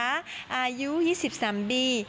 อายุ๒๓ปี